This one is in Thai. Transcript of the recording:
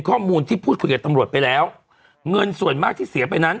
ข้อมูลที่พูดคุยกับตำรวจไปแล้วเงินส่วนมากที่เสียไปนั้น